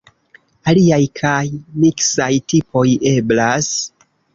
Aliaj kaj miksaj tipoj eblas.